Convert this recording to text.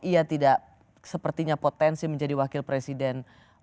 iya tidak sepertinya potensi menjadi wakil presiden